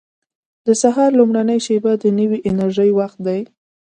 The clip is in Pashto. • د سهار لومړۍ شېبه د نوې انرژۍ وخت دی.